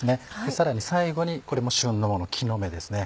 さらに最後にこれも旬のもの木の芽ですね。